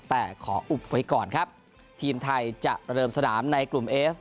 แต่ขออุบไว้ก่อนครับทีมไทยจะเริ่มสนามในกลุ่มเอฟ